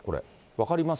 分かります？